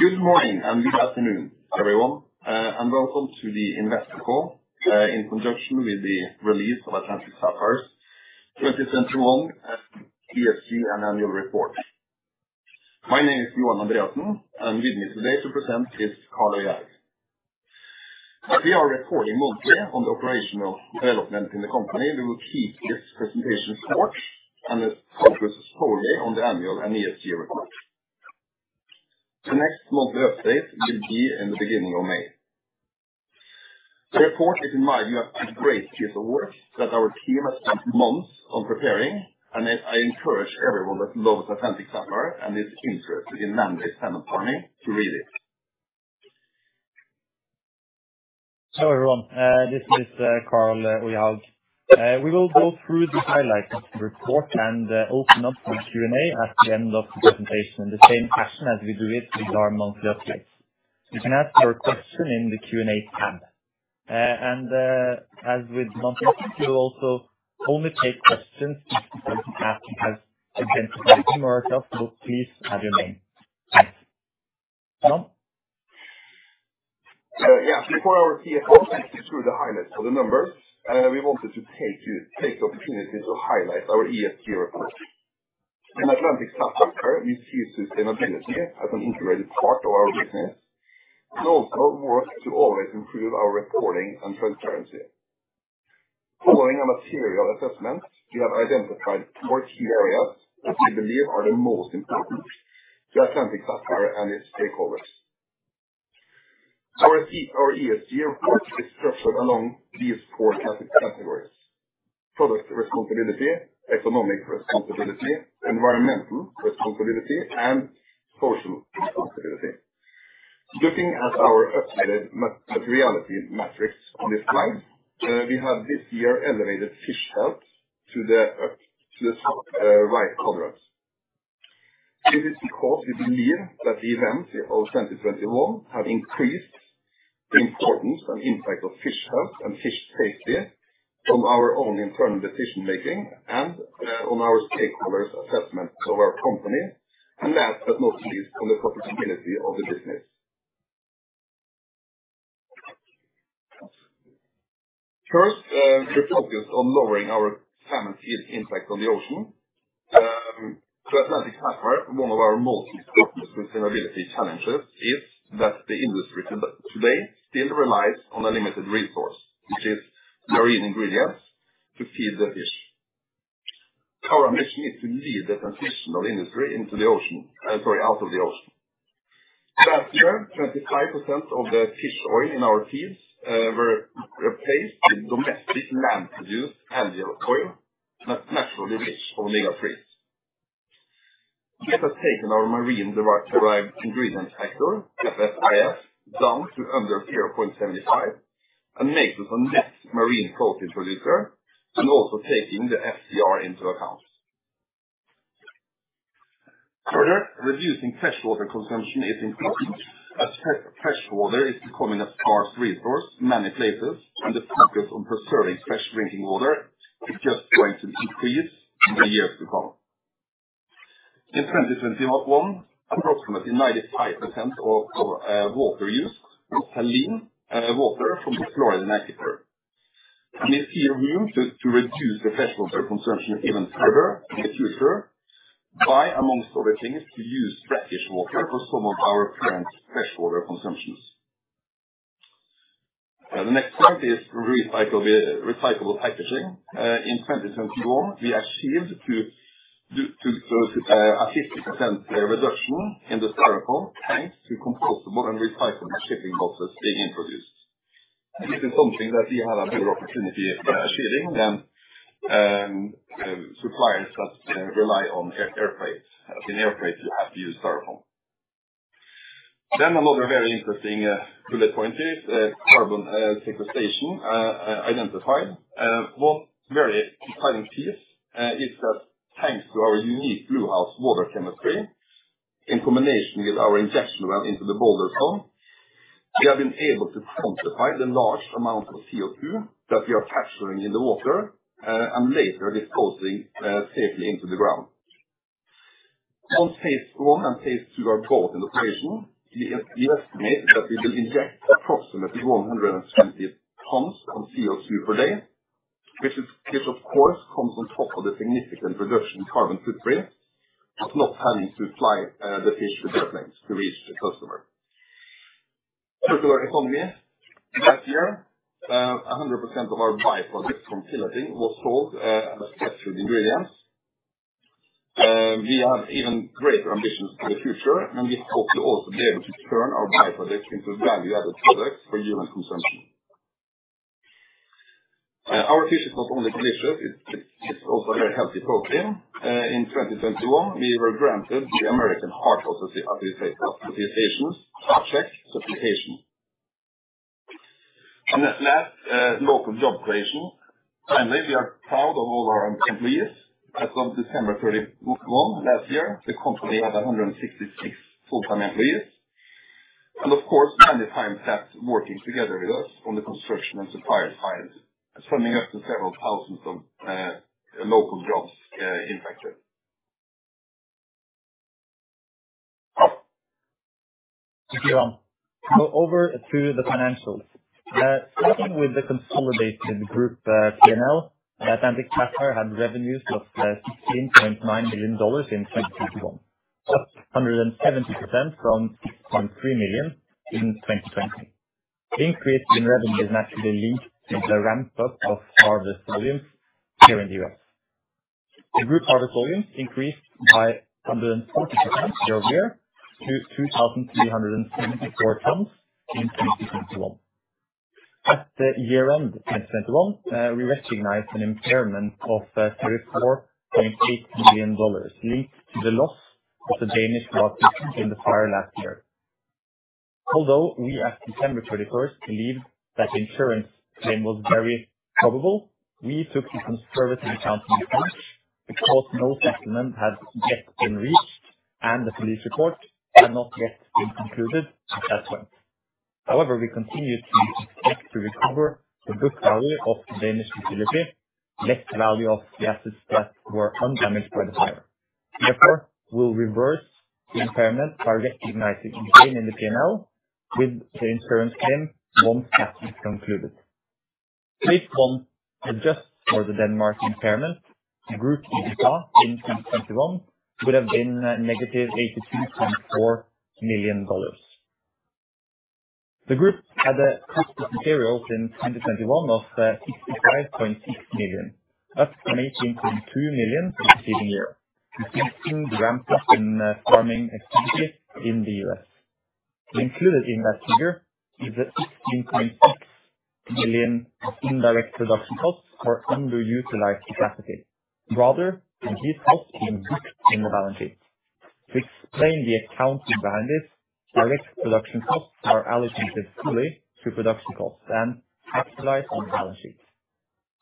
Good morning and good afternoon, everyone, and welcome to the investor call in conjunction with the release of Atlantic Sapphire's 2021 ESG and Annual Report. My name is Johan Andreassen, and with me today to present is Karl Øyehaug. As we are reporting monthly on the operational development in the company, we will keep this presentation short and it focuses solely on the annual and ESG report. The next monthly update will be in the beginning of May. The report is in my view a great piece of work that our team has spent months on preparing, and I encourage everyone that loves Atlantic Sapphire and is interested in land-based salmon farming to read it. Hello, everyone. This is Karl Øyehaug. We will go through the highlights of the report and open up for Q&A at the end of the presentation, in the same fashion as we do it with our monthly updates. You can ask your question in the Q&A tab. As with monthly, we will also only take questions from people that have identified themselves, so please add your name. Thanks. Johan Andreassen? Yeah, before our CFO takes you through the highlights of the numbers, we wanted to take the opportunity to highlight our ESG report. In Atlantic Sapphire, we see sustainability as an integrated part of our business. It also works to always improve our reporting and transparency. Following a material assessment, we have identified four key areas that we believe are the most important to Atlantic Sapphire and its stakeholders. Our ESG report is structured along these four categories. Product responsibility, economic responsibility, environmental responsibility, and social responsibility. Looking at our updated materiality matrix on this slide, we have this year elevated fish health to the top right quadrant. This is because we believe that the events of 2021 have increased the importance and impact of fish health and fish safety from our own internal decision-making and, on our stakeholders' assessments of our company, last but not least, on the profitability of the business. First, we're focused on lowering our salmon feed impact on the ocean. To Atlantic Sapphire, one of our most important sustainability challenges is that the industry today still relies on a limited resource, which is marine ingredients to feed the fish. Our mission is to lead the transitional industry out of the ocean. Last year, 25% of the fish oil in our feeds were replaced with domestic land-produced canola oil that's naturally rich omega-3s. This has taken our marine derived ingredient factor, MFIF, down to under 0.75 and makes us a net marine protein producer and also taking the FCR into account. Further reducing freshwater consumption is important as fresh water is becoming a scarce resource in many places, and the focus on preserving fresh drinking water is just going to increase in the years to come. In 2021, approximately 95% of our water use was saline water from the Floridan aquifer. There's still room to reduce the freshwater consumption even further in the future by, amongst other things, to use fresh water for some of our current freshwater consumptions. The next point is recycle the recyclable packaging. In 2021, we achieved to a 50% reduction in the styrofoam, thanks to compostable and recyclable shipping boxes being introduced. This is something that we have a better opportunity of achieving than suppliers that rely on airfreight. In airfreight, you have to use styrofoam. Another very interesting bullet point is carbon sequestration identified. One very exciting piece is that thanks to our unique Bluehouse water chemistry, in combination with our injection well into the Boulder Zone, we have been able to quantify the large amount of CO2 that we are capturing in the water and later disposing safely into the ground. Once Phase 1 and Phase 2 are both in operation, we estimate that we will inject approximately 170 tons of CO2 per day, which of course comes on top of the significant reduction in carbon footprint of not having to fly the fish to Netherlands to reach the customer. Circular economy. Last year, 100% of our byproducts from filleting was sold as pet food ingredients. We have even greater ambitions for the future, and we hope to also be able to turn our byproducts into value-added products for human consumption. Our fish is not only delicious, it's also a very healthy protein. In 2021, we were granted the American Heart Association's Heart-Check Certification. Last, local job creation. Finally, we are proud of all our employees, as of December 31 last year, the company had 166 full-time employees. Of course, many times that working together with us on the construction and supplier side, summing up to several thousands of local jobs in Florida. Thank you. Over to the financials. Starting with the consolidated group, P&L, Atlantic Sapphire had revenues of $16.9 million in 2021, up 170% from $6.3 million in 2020. Increase in revenue is naturally linked to the ramp up of harvest volumes here in the U.S. The group harvest volumes increased by 140% year-over-year to 2,374 tons in 2021. At year-end 2021, we recognized an impairment of $34.8 million linked to the loss of the Danish production in the fire last year. Although we, as of December 31, believed that the insurance claim was very probable, we took a conservative accounting approach because no settlement had yet been reached, and the police report had not yet been concluded at that point. However, we continue to expect to recover the book value of the Danish facility, net value of the assets that were undamaged by the fire. Therefore, we'll reverse the impairment by recognizing again in the P&L with the insurance claim once that is concluded. If one adjusts for the Denmark impairment, group EBITDA in 2021 would have been -$82.4 million. The group had a cost of materials in 2021 of $65.6 million, up from $18.2 million the preceding year, reflecting the ramp up in farming activities in the U.S. Included in that figure is $16.6 million of indirect production costs for underutilized capacity. Rather than these costs being booked in the balance sheet, to explain the accounting behind this, direct production costs are allocated fully to production costs, then capitalized on the balance sheet.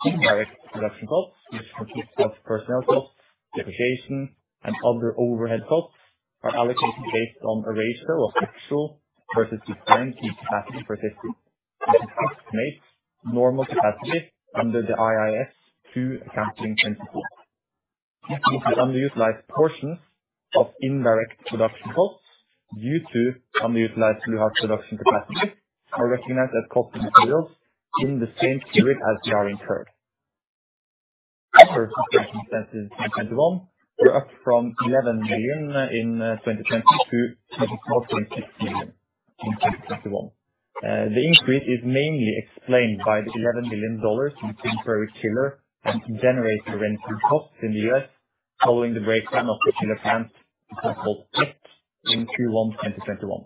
Indirect production costs, which consist of personnel costs, depreciation, and other overhead costs, are allocated based on a ratio of actual versus designed capacity of the system, which estimates normal capacity under the IAS 2 accounting principle. The underutilized portions of indirect production costs due to underutilized Bluehouse production capacity are recognized as cost of materials in the same period as they are incurred. Operating expenses in 2021 were up from $11 million in 2020 to $24.6 million in 2021. The increase is mainly explained by the $11 million in temporary chiller and generator rental costs in the U.S. following the breakdown of the chiller plant in the plant in Q1 2021.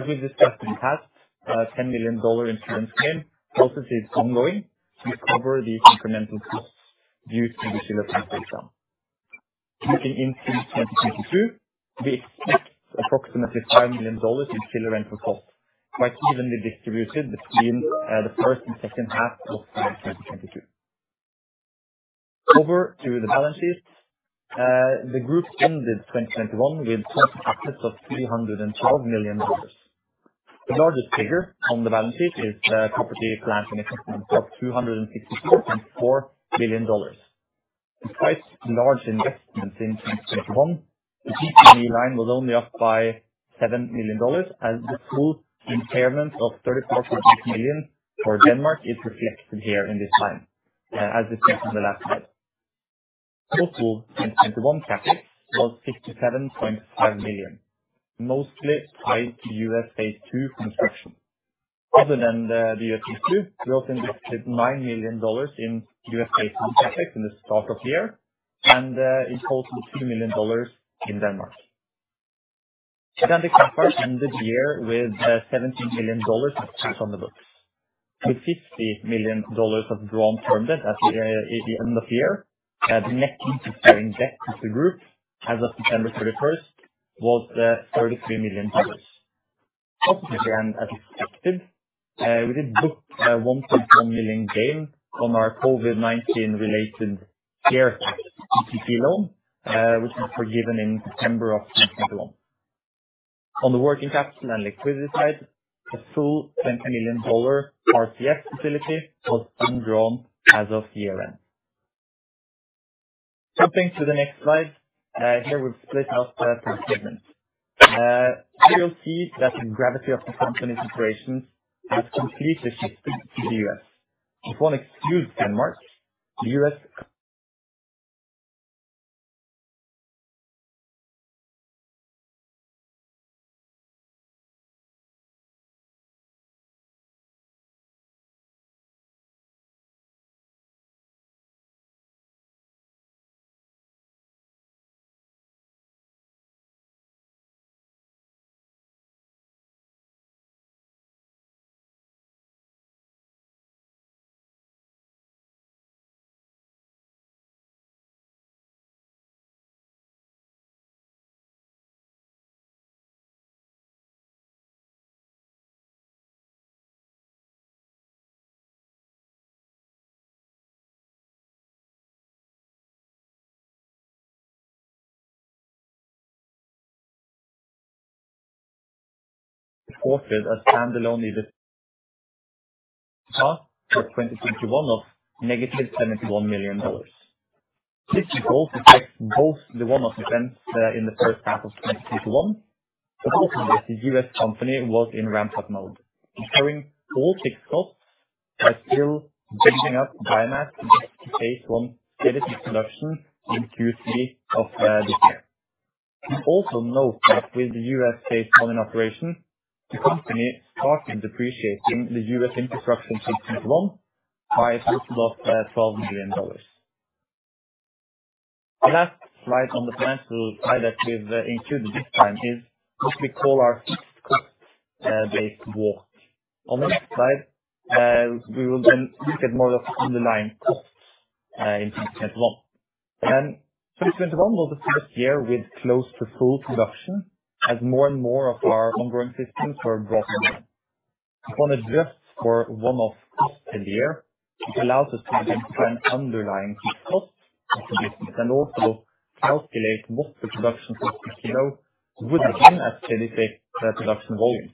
As we've discussed in the past, a $10 million insurance claim process is ongoing to cover the incremental costs due to the chiller plant breakdown. Looking into 2022, we expect approximately $5 million in chiller rental costs, quite evenly distributed between the first and second half of 2022. Over to the balance sheet. The group ended 2021 with total assets of $312 million. The largest figure on the balance sheet is the property, plant, and equipment of $264.4 million. Despite large investments in 2021, the PPE line was only up by $7 million as the full impairment of $34.8 million for Denmark is reflected here in this line, as discussed on the last slide. Total 2021 CapEx was $67.5 million, mostly tied to U.S. Phase 2 construction. Other than the U.S. Phase 2, we also invested $9 million in U.S. Phase 1 CapEx at the start of the year and a total of $2 million in Denmark. Atlantic Sapphire ended the year with $17 million of cash on the books. With $50 million of drawn term debt at the end of the year, the net interest-bearing debt of the group as of December 31st was $33 million. Ultimately, as expected, we did book a $1.1 million gain on our COVID-19 related CARES Act PPP loan, which was forgiven in September of 2021. On the working capital and liquidity side, the full $10 million RCF facility was undrawn as of year-end. Jumping to the next slide, here we've split out by segment. Here, you'll see that the gravity of the company's operations has completely shifted to the U.S. If one excludes Denmark, the U.S. reported a standalone EBITDA for 2021 of -$71 million. This result affects both the one-off events in the first half of 2021, but also that the U.S. company was in ramp-up mode, incurring all fixed costs while still building up biomass to get to Phase 1 steady-state production in Q3 of this year. We also note that with the U.S. Phase 1 in operation, the company started depreciating the U.S, infrastructure in 2021 by a total of $12 million. The last slide on the financial side that we've included this time is what we call our fixed cost base walk. On the next slide, we will then look at more of underlying costs in 2021. 2021 was the first year with close to full production as more and more of our ongoing systems were brought online. Upon adjusting for one-off costs in the year, it allows us to identify an underlying fixed cost of the business and also calculate what the production cost per kilo would have been at steady-state production volumes.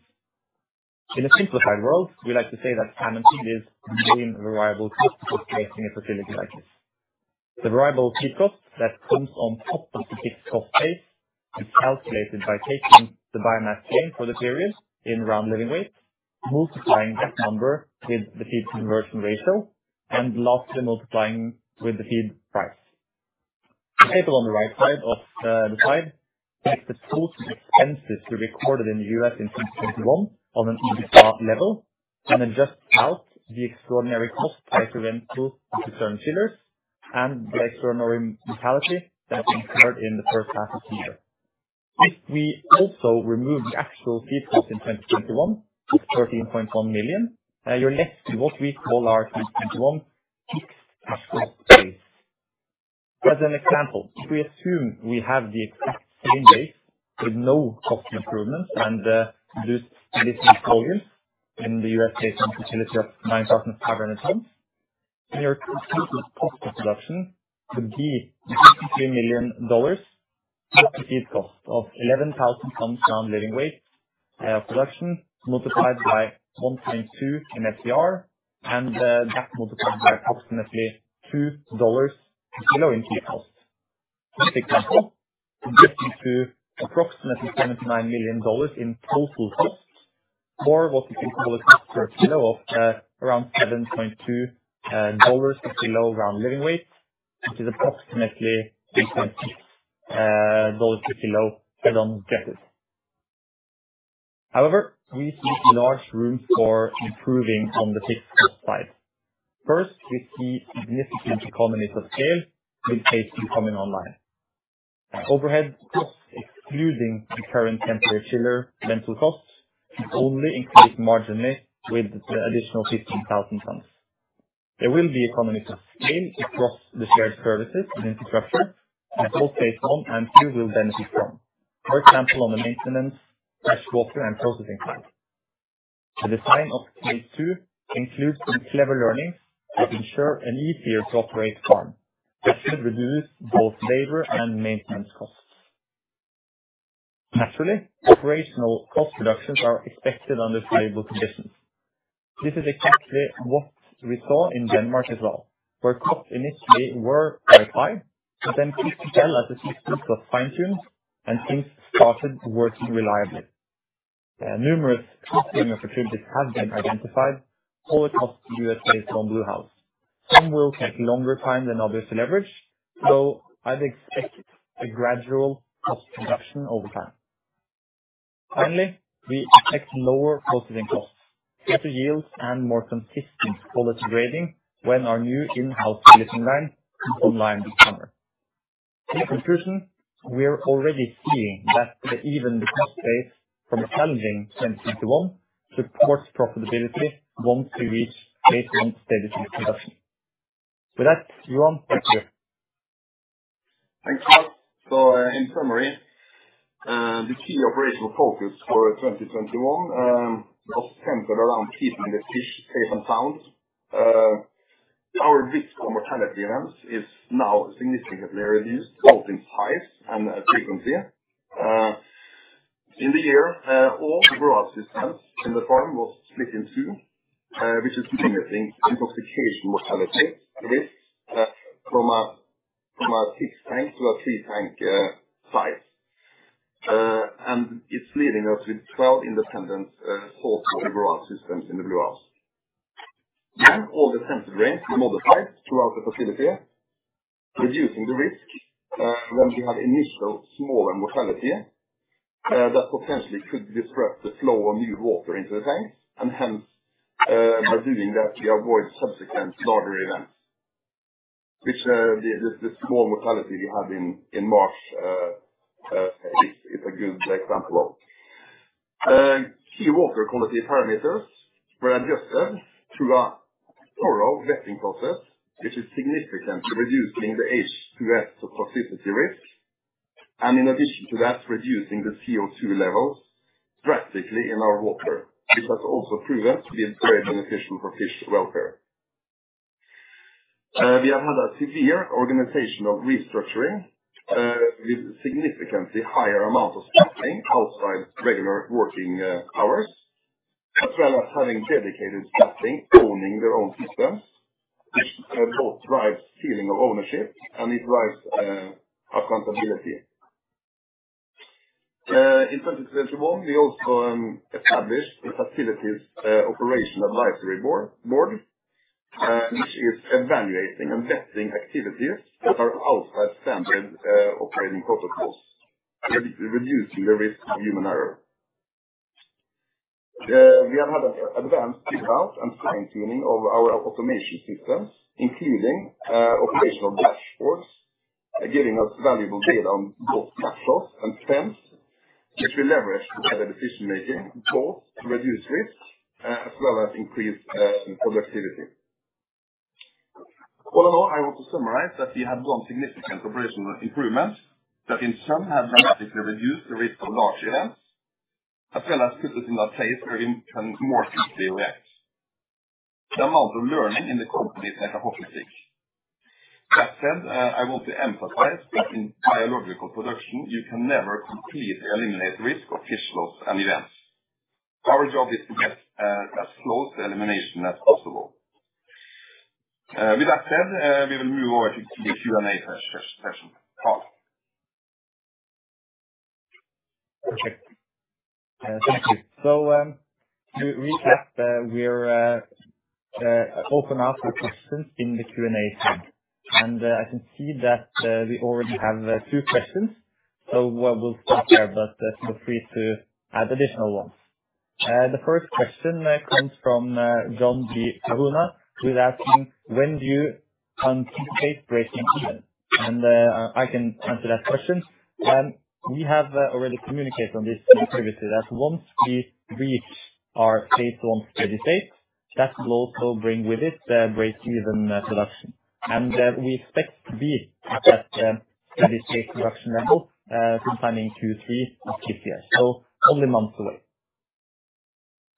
In a simplified world, we like to say that [biomass gain] is the main variable cost of placing a facility like this. The variable fixed cost that comes on top of the fixed cost base is calculated by taking the biomass gain for the period in round living weight, multiplying that number with the feed conversion ratio, and lastly multiplying with the feed price. The table on the right side of the slide takes the total expenses we recorded in the U.S. in 2021 on an EBITDA level, and adjusts out the extraordinary cost by rental of the Stellar chillers and by extraordinary mortality that we incurred in the first half of the year. If we also remove the actual feed cost in 2021, $13.1 million, you're left with what we call our 2021 fixed actual base. As an example, if we assume we have the exact same base with no cost improvements and with this volume in the U.S. Phase 1 facility of 9,500 tons, then your total cost of production would be $53 million at a feed cost of 11,000 tons round living weight production multiplied by 1.2 in FCR, and that multiplied by approximately $2 per kilo in feed costs. This example converts into approximately $79 million in total costs or what we call the cost per kilo of around $7.2 per kilo round living weight, which is approximately $6.6 per kilo as adjusted. However, we see large room for improving on the fixed cost side. First, we see significant economies of scale with Phase 2 coming online. Overhead costs excluding the current temporary chiller rental costs should only increase marginally with the additional 15,000 tons. There will be economies of scale across the shared services and infrastructure that both Phase 1 and 2 will benefit from. For example, on the maintenance, freshwater, and processing side. The design of Phase 2 includes some clever learnings that ensure an easier to operate farm. That should reduce both labor and maintenance costs. Naturally, operational cost reductions are expected under stable conditions. This is exactly what we saw in Denmark as well, where costs initially were quite high but then ceased to tell as the systems got fine-tuned and things started working reliably. Numerous cost-saving opportunities have been identified for the cost of U.S. [Phase] Bluehouse. Some will take longer time than others to leverage, so I'd expect a gradual cost reduction over time. Finally, we expect lower processing costs, better yields, and more consistent quality grading when our new in-house filleting line comes online this summer. In conclusion, we are already seeing even the cost base from a challenging 2021 supports profitability once we reach Phase 1 steady-state production. With that, Johan, back to you. Thanks, KARL. In summary, the key operational focus for 2021 was centered around keeping the fish safe and sound. Our risk of mortality events is now significantly reduced, both in size and frequency. In the year, all the grow-out systems in the farm was split in two, which is diminishing intoxication mortality risk, from a six-tank to a three-tank size. It's leaving us with 12 independent total grow-out systems in the Bluehouse. All the sensor grids were modified throughout the facility, reducing the risk, when we have initial smaller mortality, that potentially could disrupt the flow of new water into the tanks, and hence, by doing that, we avoid subsequent larger events, which, this small mortality we had in March, is a good example of. Key water quality parameters were adjusted through a thorough vetting process, which is significantly reducing the H2S toxicity risk, and in addition to that, reducing the CO2 levels drastically in our water. This has also proven to be very beneficial for fish welfare. We have had a severe organizational restructuring, with significantly higher amount of staffing outside regular working hours, as well as having dedicated staffing owning their own systems, which, both drives feeling of ownership and it drives accountability. In 2021, we also established a facilities operation advisory board which is evaluating and vetting activities that are outside standard operating protocols, reducing the risk of human error. We have had an advanced build-out and fine-tuning of our automation systems, including operational dashboards, giving us valuable data on both cash flows and spends, which we leverage to better decision-making, both to reduce risk as well as increase productivity. All in all, I want to summarize that we have done significant operational improvements that in sum have dramatically reduced the risk of large events, as well as put us in a place where we can more quickly react. The amount of learning in the company is at an all-time high. That said, I want to emphasize that in biological production, you can never completely eliminate risk of fish loss and events. Our job is to get as close to elimination as possible. With that said, we will move over to the Q&A session. Karl. Perfect. Thank you. To recap, we're opening up for questions in the Q&A tab. I can see that we already have two questions, so we'll start there, but feel free to add additional ones. The first question comes from John Jay Aruna, who's asking, "When do you anticipate breaking even?" I can answer that question. We have already communicated on this previously, that once we reach our Phase 1 steady state, that will also bring with it the break-even production. We expect to be at that steady state production level sometime in Q3 of this year, so only months away.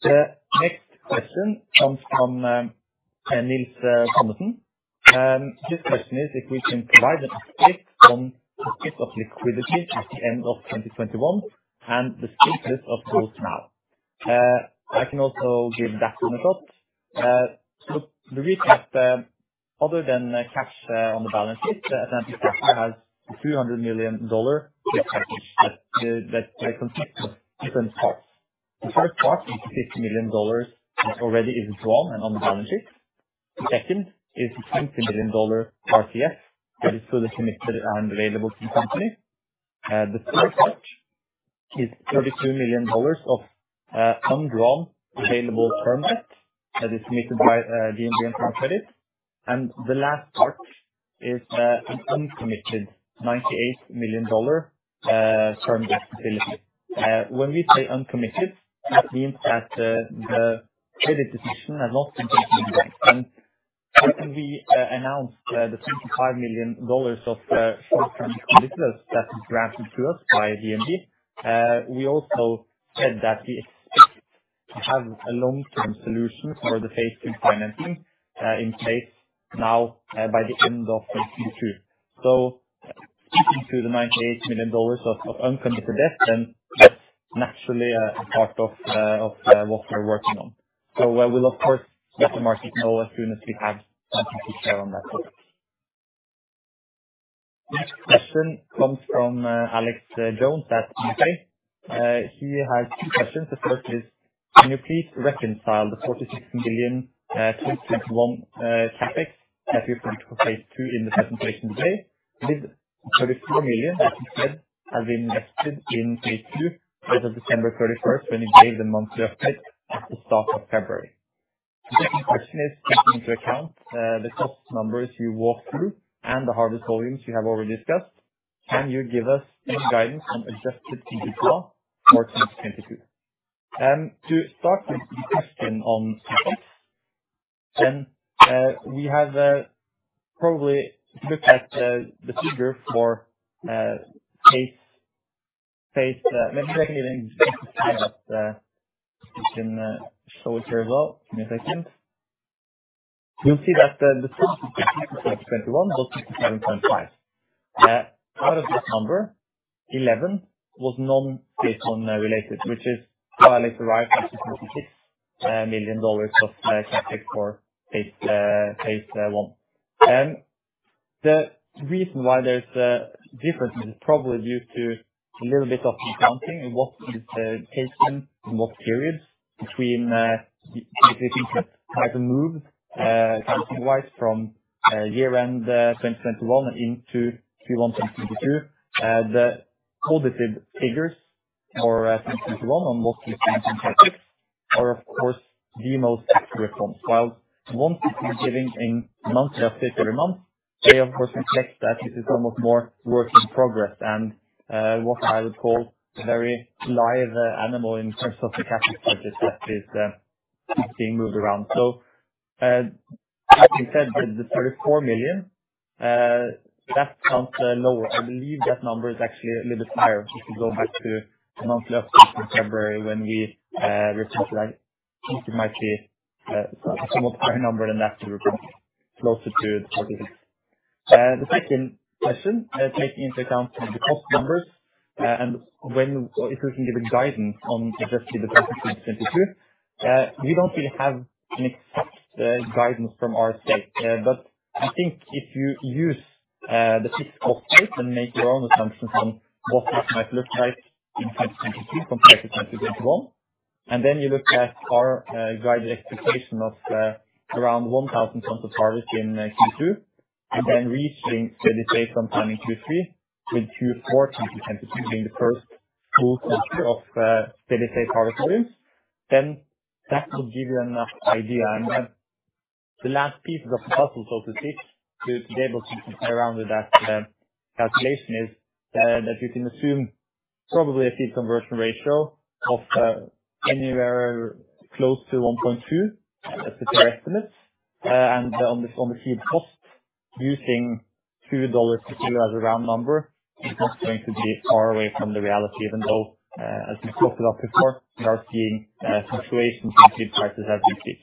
The next question comes from Nils Thommesen. His question is if we can provide an update on the state of liquidity at the end of 2021 and the state of those now. I can also give that from the top. The recap, other than the cash on the balance sheet, Atlantic Sapphire has $200 million war chest that consists of different parts. The first part is $50 million that already is drawn and on the balance sheet. The second is a $20 million RCF that is fully committed and available to the company. The third part is $32 million of undrawn available term debt that is committed by DNB and ProCredit. The last part is an uncommitted $98 million term debt facility. When we say uncommitted, that means that the credit decision has not been taken yet. When we announced the $25 million of short-term facilities that is granted to us by DNB, we also said that we expect to have a long-term solution for the Phase 2 financing in place now by the end of 2022. Speaking to the $98 million of uncommitted debt, then that's naturally a part of what we're working on. I will, of course, let the market know as soon as we have something to share on that front. Next question comes from Alex [Jones] at [Intre]. He has two questions. The first is, "Can you please reconcile the $46 million 2021 CapEx that you predicted for Phase 2 in the presentation today with the $34 million that instead have been invested in Phase 2 as of December 31st when you gave the monthly update at the start of February?" The second question is, "Taking into account the cost numbers you walked through and the harvest volumes you have already discussed, can you give us any guidance on adjusted EBITDA for 2022?" To start with the question on CapEx, we have probably looked at the figure for phase—maybe let me just emphasize that we can show it here as well. Let me see if I can't. You'll see that the CapEx for 2021 was $67.5 million. Out of this number, $11 million was non-Phase 1 related, which is why it derives as $56 million of CapEx for Phase 1. The reason why there's a difference is probably due to a little bit of accounting in what is taken in what periods between types of moves, accounting-wise from year-end 2021 into Q1 2022. The audited figures for 2021 on what we've spent on CapEx are, of course, the most accurate ones. While the ones we've been giving in monthly updates every month, they of course reflect that this is almost more work in progress and what I would call a very live animal in terms of the CapEx budget that is being moved around. As we said, the $34 million. That's not lower. I believe that number is actually a little bit higher. Just to go back to the monthly update from February when we reported that I think it might be a somewhat higher number than that we reported, closer to $46 million. The second question, taking into account the cost numbers and when or if we can give a guidance on adjusted EBITDA for2022. We don't really have an exact guidance from our side. I think if you use the fixed cost base and make your own assumptions on what this might look like in 2022 compared to 2021, and then you look at our guided expectation of around 1,000 tons of harvest in Q2, and then reaching steady state from Phase 2/3 with Q4 2022 being the first full quarter of steady state harvest volumes, then that will give you an idea. The last piece of the puzzle, so to speak, to be able to play around with that calculation is that you can assume probably a feed conversion ratio of anywhere close to 1.2 as a fair estimate. On the feed cost, using $2 per kilo as a round number is not going to be far away from the reality. Even though, as we've talked about before, we are seeing fluctuations in feed prices every week.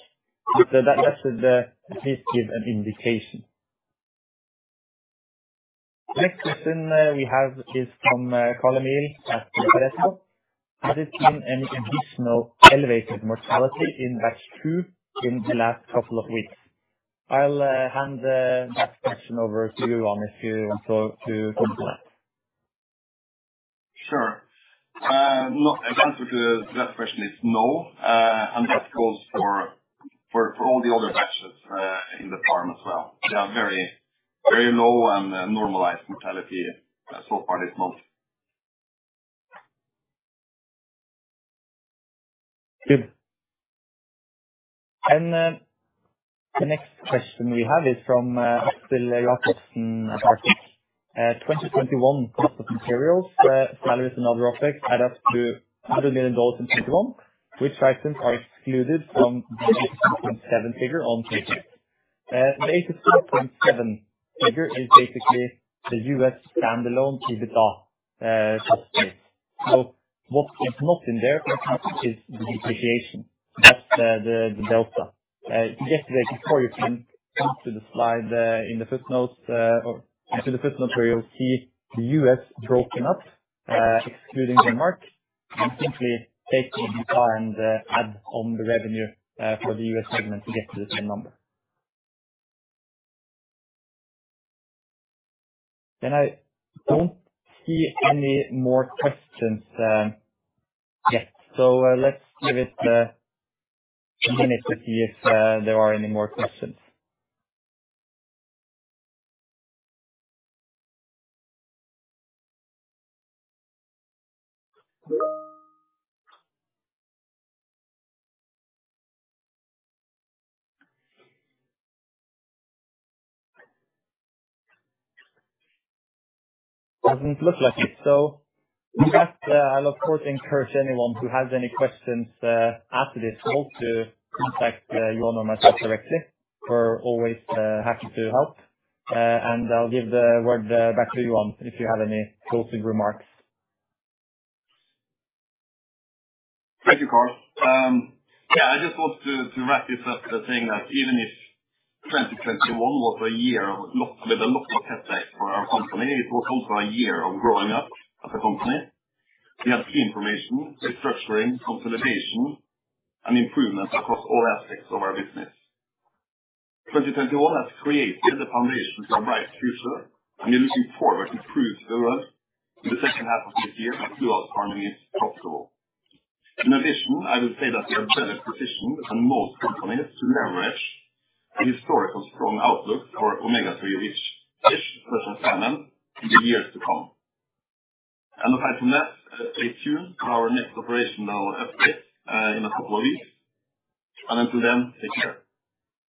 That should at least give an indication. Next question we have is from Colin Neil. Has it been any additional elevated mortality in batch 2 in the last couple of weeks? I'll hand that question over to you, Johan, if you want to comment on that. Sure. No. The answer to that question is no. That goes for all the other batches in the farm as well. They are very, very low and normalized mortality so far this month. Good. The next question we have is from. [unintelligible] 2021 cost of materials, salaries and other OpEx add up to $100 million in 2021. Which items are excluded from the $86.7 million figure on page 8? The $86.7 million figure is basically the U.S. standalone EBITDA true base. What is not in there is the depreciation. That's the delta. Yesterday before you came, come to the slide in the footnotes or to the footnote where you'll see the U.S. broken up, excluding Denmark, and simply take EBITDA and add on the revenue for the U.S. segment to get to the same number. I don't see any more questions yet. Let's give it a minute to see if there are any more questions. Doesn't look like it. With that, I'll of course encourage anyone who has any questions after this call to contact Johan or myself directly. We're always happy to help. I'll give the word back to Johan, if you have any closing remarks. Thank you, Karl. Yeah, I just want to wrap this up by saying that even if 2021 was a year of a lot of headaches for our company, it was also a year of growing up as a company. We had key information, restructuring, consolidation and improvement across all aspects of our business. 2021 has created the foundation to a bright future, and we're looking forward to prove to the world in the second half of this year that Bluehouse farming is profitable. In addition, I would say that we are better positioned than most companies to leverage a historical strong outlook for omega-3 rich fish, fresh and salmon in the years to come. Aside from that, stay tuned for our next operational update in a couple of weeks. Until then, take care.